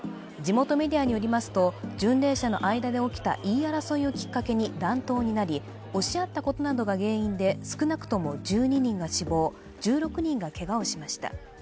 地元メディアによりますと、巡礼者の間で起きた言い争いをきっかけに乱闘になり、押し合ったことなどが原因で少なくとも１２人が死亡、１６人がけがをしました。